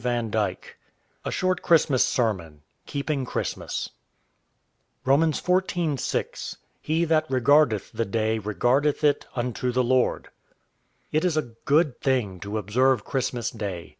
A SHORT CHRISTMAS SERMON KEEPING CHRISTMAS ROMANS, xiv, 6: He that regardeth the day, regardeth it unto the Lord. It is a good thing to observe Christmas day.